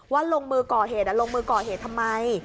ลงมือก่อเหตุลงมือก่อเหตุทำไม